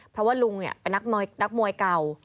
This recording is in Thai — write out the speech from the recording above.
เพราะว่าลุงเป็นนักมวยเก่า